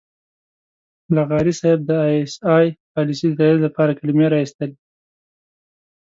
لغاري صاحب د اى ايس اى پالیسۍ د تائید لپاره کلمې را اېستلې.